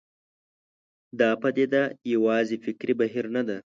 دا پدیده یوازې فکري بهیر نه ده.